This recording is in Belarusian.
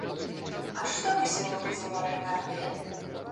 А што мы сёння будзем варыць на абед?